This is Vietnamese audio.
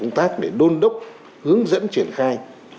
tổng tác để đôn đốc hướng dẫn triển khai